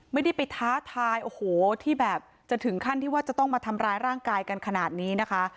ไม่ได้ไปท้าทายโอ้โหที่แบบจะถึงขั้นที่ว่าจะต้องมาทำร้ายร่างกายกันขนาดนี้นะคะ